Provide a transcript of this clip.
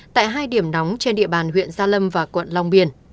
tại hai điểm nóng trên địa bàn huyện gia lâm và quận long biên